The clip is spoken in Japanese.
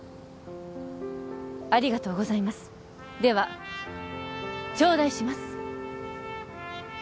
ありがとうございますではちょうだいします